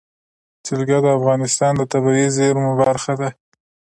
جلګه د افغانستان د طبیعي زیرمو برخه ده.